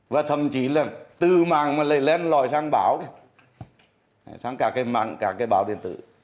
và thậm chí là từ mạng mà lên lòi sang báo sang cả cái mạng cả cái báo điện tử